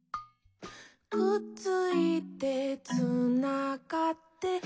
「くっついてつながって」